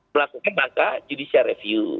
melakukan langkah judicial review